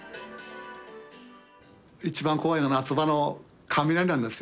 一番怖いのは夏場の雷なんですよ。